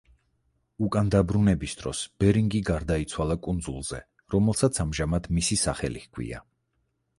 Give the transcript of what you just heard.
უკან დაბრუნების დროს ბერინგი გარდაიცვალა კუნძულზე, რომელსაც ამჟამად მისი სახელი ჰქვია.